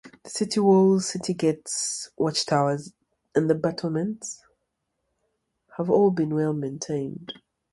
The city walls, city gates, watchtowers, and battlements have all been well maintained.